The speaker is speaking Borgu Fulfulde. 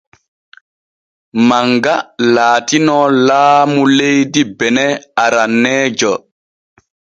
Manga laatino laamu leydi benin aranneejo.